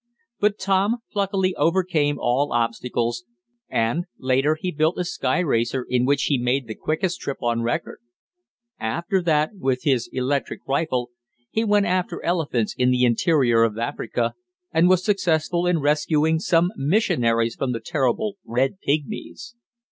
But Tom pluckily overcame all obstacles and, later, he built a sky racer, in which he made the quickest trip on record. After that, with his electric rifle, he went after elephants in the interior of Africa and was successful in rescuing some missionaries from the terrible red pygmies.